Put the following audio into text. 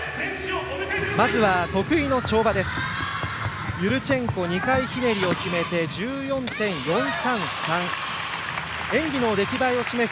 まず得意の跳馬です。